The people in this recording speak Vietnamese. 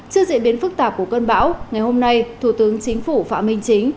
trước diễn biến phức tạp của cơn bão ngày hôm nay thủ tướng chính phủ phạm minh chính